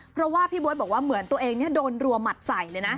เพราะว่าพี่บ๊วยบอกว่าเหมือนตัวเองโดนรัวหมัดใส่เลยนะ